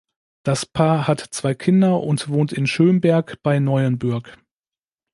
Das Paar hat zwei Kinder und wohnt in Schömberg bei Neuenbürg.